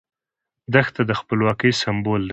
دښته د خپلواکۍ سمبول ده.